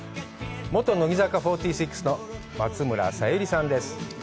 元乃木坂４６の松村沙友理さんです。